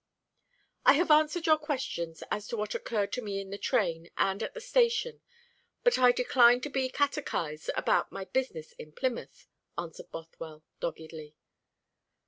"I have answered your questions as to what occurred to me in the train, and at the station; but I decline to be catechised about my business in Plymouth," answered Bothwell doggedly.